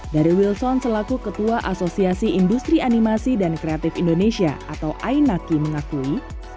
dari wilson selaku ketua asosiasi industri animasi dan kreatif indonesia atau ainaki mengakui